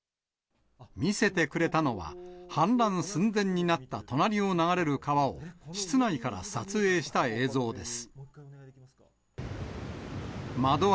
見せてくれたのは、氾濫寸前になった隣を流れる川を室内から撮影した映像です。